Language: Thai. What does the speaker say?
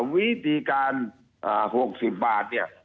วิธีการ๖๐บาทเนี่ย